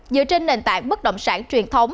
dựa trên nền tảng bất động sản truyền thống